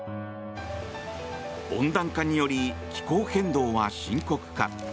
温暖化により気候変動は深刻化。